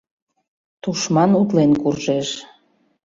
Тушман утлен куржеш.